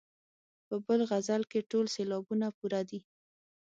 په بل غزل کې ټول سېلابونه پوره دي.